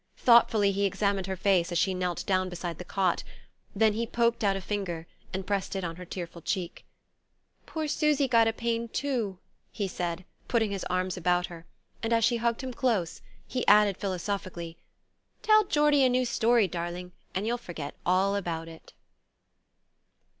Thoughtfully he examined her face as she knelt down beside the cot; then he poked out a finger and pressed it on her tearful cheek. "Poor Susy got a pain too," he said, putting his arms about her; and as she hugged him close, he added philosophically: "Tell Geordie a new story, darling, and you'll forget all about it."